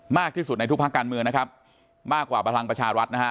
มากที่สุดในทุกภาคการเมืองนะครับมากกว่าพลังประชารัฐนะฮะ